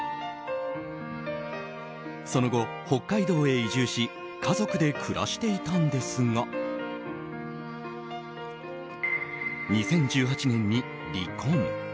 その後、北海道へ移住し家族で暮らしていたんですが２０１８年に離婚。